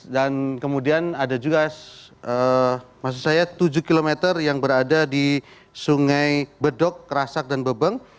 dan kemudian ada juga maksud saya tujuh km yang berada di sungai bedok kerasak dan bebeng